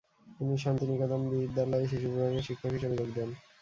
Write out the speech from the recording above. তিনি শান্তিনিকেতন বিদ্যালয়ে শিশুবিভাগে শিক্ষক হিসাবে যোগ দেন।